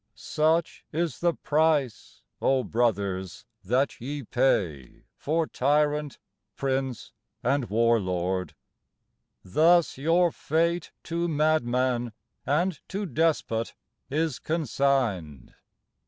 Such is the price, O brothers, that ye pay For tyrant, prince and war lord; thus your fate To madman and to despot is consigned.